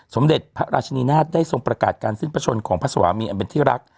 สมเด็จพระราชนีนาฏได้ทรงประกาศการสิ้นประชนของพระสวามีอันเป็นที่รัก